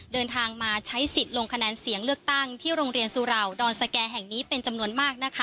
เดินทางมาใช้สิทธิ์ลงคะแนนเสียงเลือกตั้งที่โรงเรียนสุเหล่าดอนสแก่แห่งนี้เป็นจำนวนมากนะคะ